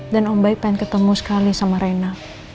dan om baik pengen ketemu sekali sama rena